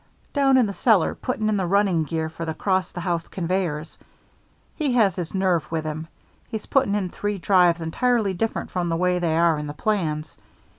"Down in the cellar putting in the running gear for the 'cross the house conveyors. He has his nerve with him. He's putting in three drives entirely different from the way they are in the plans.